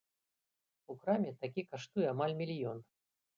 У краме такі каштуе амаль мільён.